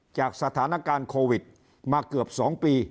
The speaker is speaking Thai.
จากสถานการณ์โควิดมาเกือบ๒ปี